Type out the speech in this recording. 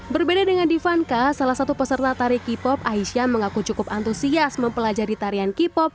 berbeda dengan divanka salah satu peserta tari k pop aisyah mengaku cukup antusias mempelajari tarian k pop